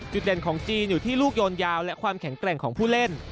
เด่นของจีนอยู่ที่ลูกโยนยาวและความแข็งแกร่งของผู้เล่น